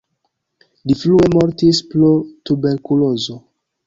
Li frue mortis pro tuberkulozo.